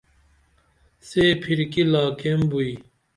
سے پھرکی لاکیمبوئی